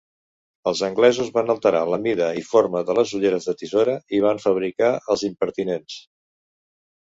Els anglesos van alterar la mida i forma de les ulleres de tisora i van fabricar els impertinents.